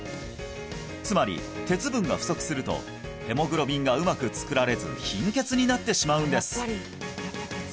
つまり鉄分が不足するとヘモグロビンがうまく作られず貧血になってしまうんです